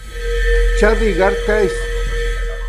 Charlie Gard case